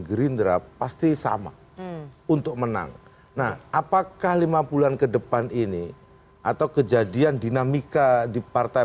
gerindra pasti sama untuk menang nah apakah lima bulan kedepan ini atau kejadian dinamika di partai